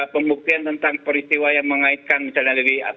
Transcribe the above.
pembuktian tentang peristiwa yang mengaitkan misalnya